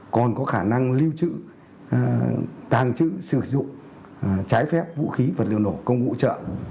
còn có khả năng lưu trữ tàng trữ sử dụng trái phép vũ khí vật liệu nổ công cụ hỗ trợ